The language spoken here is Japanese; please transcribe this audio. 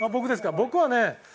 僕はね